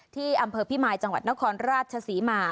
ที่อำเภอพิมายจังหวัดนครราชศรีมา